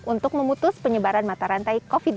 untuk memutus penyebaran mata rantai covid sembilan belas